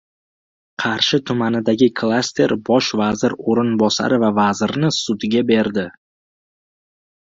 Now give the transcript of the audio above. Qarshi tumanidagi klaster Bosh vazir o‘rinbosari va vazirni sudga berdi